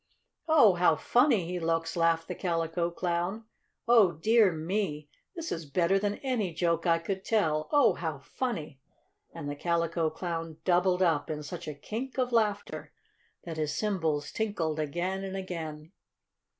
"Oh, how funny he looks!" laughed the Calico Clown. "Oh, dear me! This is better than any joke I could tell! Oh, how funny!" And the Calico Clown doubled up in such a kink of laughter that his cymbals tinkled again and again.